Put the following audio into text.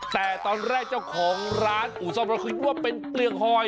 แต่ตอนแรกเจ้าของร้านอู่ซ่อมรถเขาคิดว่าเป็นเปลืองหอย